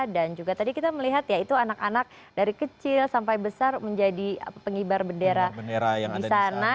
dan juga tadi kita melihat ya itu anak anak dari kecil sampai besar menjadi pengibar bendera di sana